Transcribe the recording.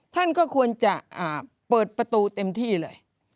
ท่านก็ควรจะเปิดประตูเต็มที่เลย